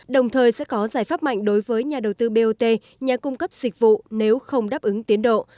đồng thời sẽ có giải pháp mạnh đối với nhà đầu tư bot nhà cung cấp dịch vụ nếu không đáp ứng tiến độ